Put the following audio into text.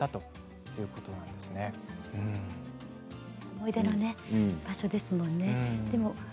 思い出の場所ですものね。